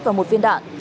và một viên đạn